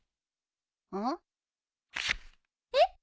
うん？えっ？